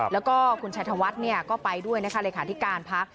แล้วก็คุณชัดธวัฒน์เนี่ยก็ไปด้วยนะคะรายขาขนิตการพัก